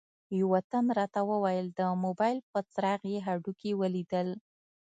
یوه تن راته وویل د موبایل په څراغ یې هډوکي ولیدل.